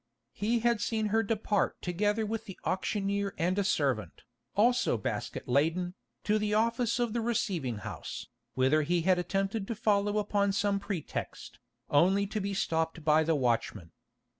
He had seen her depart together with the auctioneer and a servant, also basket laden, to the office of the receiving house, whither he had attempted to follow upon some pretext, only to be stopped by the watchman.